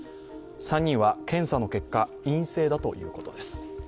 ３人は検査の結果、陰性だということです。